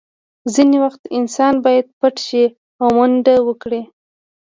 ځینې وخت انسان باید پټ شي او منډه وکړي